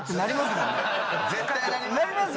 絶対なります。